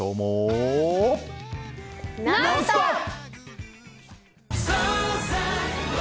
「ノンストップ！」。